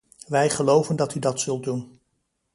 Wij geloven dat u dat zult doen.